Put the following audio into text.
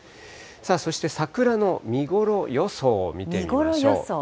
そして桜の見頃予想見てみましょう。